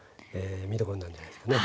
見どころになるんじゃないですかね。